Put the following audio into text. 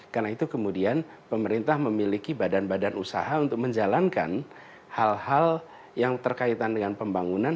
karena itu kemudian pemerintah memiliki badan badan usaha untuk menjalankan hal hal yang terkaitan dengan pembangunan